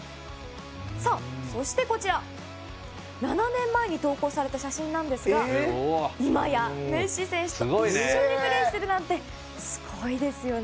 そしてこちら７年前に投稿された写真なんですが今やメッシ選手と一緒にプレーしているなんてすごいですよね。